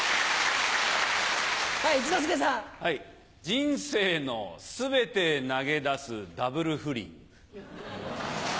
人生の全て投げ出すダブル不倫。